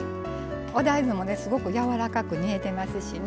お大豆も、すごくやわらかく煮えてますしね。